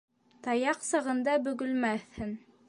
Таяҡ сағында бөгөлмәҫһең.